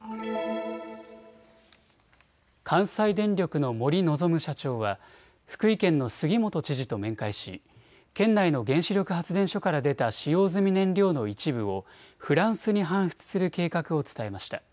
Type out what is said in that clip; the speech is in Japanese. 関西電力の森望社長は福井県の杉本知事と面会し県内の原子力発電所から出た使用済み燃料の一部をフランスに搬出する計画を伝えました。